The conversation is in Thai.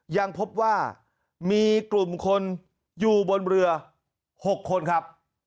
ยังพบว่ามีกลุ่มคนอยู่บนเรือ๖คนครับ